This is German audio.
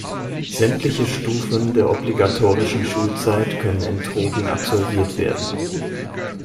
Sämtliche Stufen der obligatorischen Schulzeit können in Trogen absolviert werden.